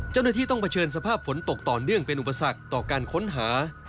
เจ้าหน้าที่ต้องเผชิญสภาพฝนตกต่อเนื่องเป็นอุปสรรคต่อการค้นหา